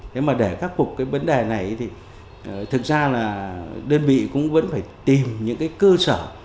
thế mà để khắc phục cái vấn đề này thì thực ra là đơn vị cũng vẫn phải tìm những cái cơ sở